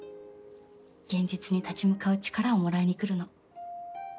現実に立ち向かう力をもらいに来るの。